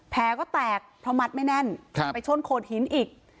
แผลก็แตกเพราะมัดไม่แน่นไปชนโขดหินอีก